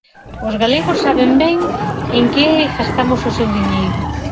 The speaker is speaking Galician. Os galegos saben ben en que gastamos o seu diñeiro.